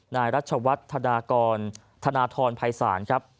นายรัชวัตรธนาทรภัยศาลครับ